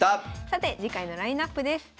さて次回のラインナップです。